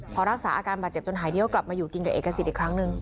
พอรักษาอาการบาดเจ็บจนหายเที่ยวกลับมาอยู่กินกับเอกสิทธิ์อีกครั้งหนึ่ง